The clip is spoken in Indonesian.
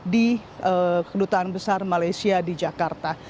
di kedutaan besar malaysia di jakarta